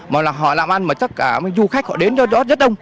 mà họ làm ăn mà tất cả du khách họ đến đó rất đông